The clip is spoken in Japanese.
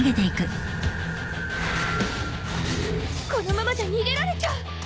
このままじゃ逃げられちゃう！